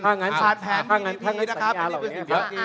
ถ้างั้นสัญญาเหล่านี้